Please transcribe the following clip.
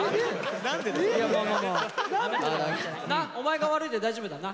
なお前が悪いで大丈夫だな？